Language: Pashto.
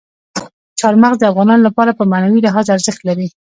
چار مغز د افغانانو لپاره په معنوي لحاظ ارزښت لري.